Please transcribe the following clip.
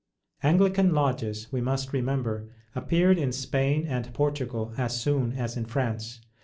Anglican lodges, we must remember, appeared in Spain and Portugal as soon as in France.